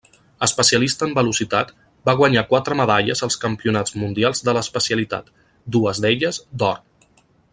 Especialista en velocitat, va guanyar quatre medalles als Campionats mundials de l'especialitat, dues d'elles d'or.